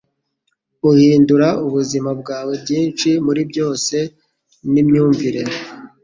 Uhindura ubuzima bwawe. Byinshi muribyose ni imyumvire,